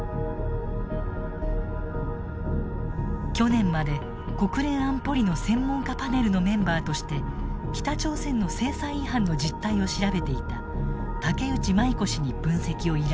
去年まで国連安保理の専門家パネルのメンバーとして北朝鮮の制裁違反の実態を調べていた竹内舞子氏に分析を依頼した。